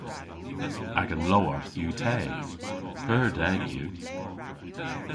Agan lowarth yw teg. Pur deg yw.